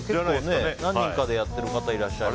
何人かでやってる方いらっしゃって。